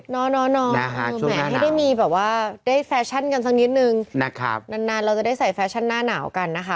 แหมไม่ได้มีแบบว่าได้แฟชั่นกันสักนิดนึงนะครับนานเราจะได้ใส่แฟชั่นหน้าหนาวกันนะคะ